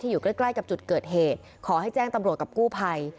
อยู่ใกล้ใกล้กับจุดเกิดเหตุขอให้แจ้งตำรวจกับกู้ภัย